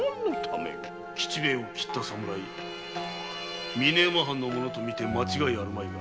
吉兵衛を斬った侍峰山藩の者とみて間違いないが。